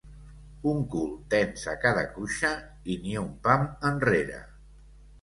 Un cul tens a cada cuixa i ni un pam enrere.